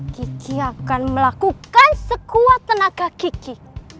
kiki akan melakukan sekuat tenaga kiki